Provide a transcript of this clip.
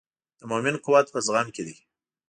د مؤمن قوت په زغم کې دی.